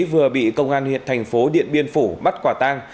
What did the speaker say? vừa bị công an huyện thành phố điện biên phủ bắt quả tang